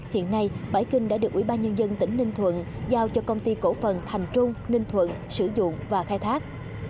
hiện nay bãi kinh đã được ủy ban nhân dân tỉnh ninh thuận giao cho công ty cổ phần thành trung ninh thuận sử dụng và khai thác